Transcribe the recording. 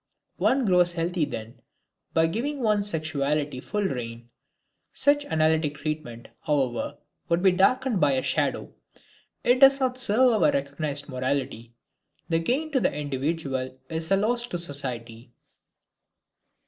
One grows healthy then, by giving one's sexuality full reign. Such analytic treatment, however, would be darkened by a shadow; it does not serve our recognized morality. The gain to the individual is a loss to society.